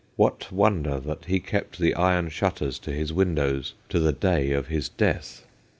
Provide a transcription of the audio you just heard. What wonder that he kept the iron shutters to his windows to the day of his death